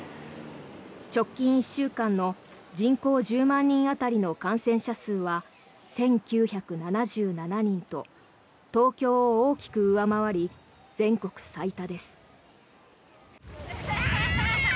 直近１週間の人口１０万人当たりの感染者数は１９７７人と東京を大きく上回り全国最多です。